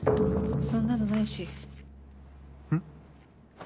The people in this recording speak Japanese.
そんなのないし。